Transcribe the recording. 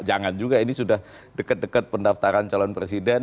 jangan juga ini sudah dekat dekat pendaftaran calon presiden